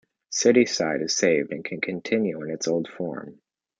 Cityside is saved and can continue in its old form.